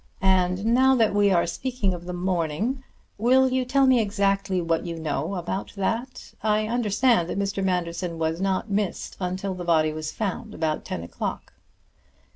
"And now that we are speaking of the morning, will you tell me exactly what you know about that. I understand that Mr. Manderson was not missed until the body was found about ten o'clock."